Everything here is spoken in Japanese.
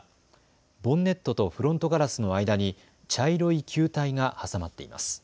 ボンネットとフロントガラスの間に茶色い球体が挟まっています。